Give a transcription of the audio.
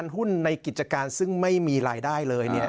หุ้นในกิจการซึ่งไม่มีรายได้เลย